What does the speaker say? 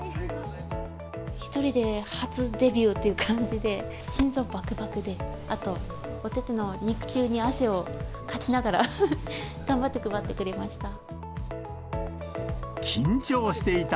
１人で初デビューという感じで、心臓ばくばくで、あとお手々の肉球に汗をかきながら、頑張って配ってくれました。